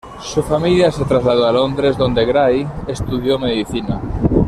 Su familia se trasladó a Londres dónde Gray estudió medicina.